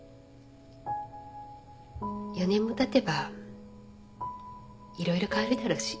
４年もたてば色々変わるだろうし。